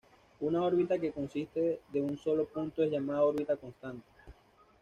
Una órbita que consiste de un solo punto es llamada órbita constante.